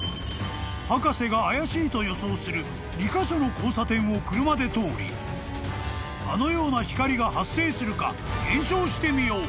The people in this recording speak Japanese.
［博士が怪しいと予想する２カ所の交差点を車で通りあのような光が発生するか検証してみよう］